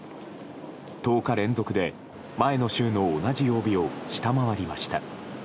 １０日連続で前の週の同じ曜日を下回りました。